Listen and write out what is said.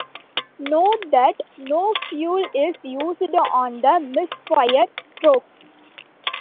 Note that no fuel is used on the mis-fire strokes.